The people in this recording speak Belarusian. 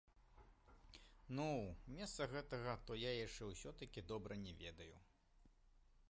Ну, месца гэтага то я яшчэ ўсё-такі добра не ведаю!